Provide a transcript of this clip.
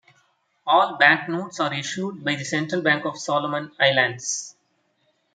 All banknotes are issued by the Central Bank of Solomon Islands.